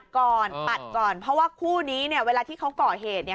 ก่อนปัดก่อนเพราะว่าคู่นี้เนี่ยเวลาที่เขาก่อเหตุเนี่ย